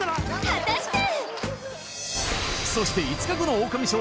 果たして？